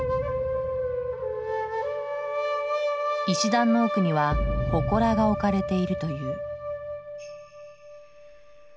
石段の奥には祠が置かれているという。